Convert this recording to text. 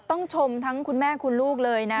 ต้องชมทั้งคุณแม่คุณลูกเลยนะ